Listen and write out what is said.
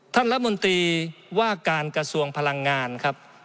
ท่านรัฐมนตรีว่าการกระทรวงพลังงานครับ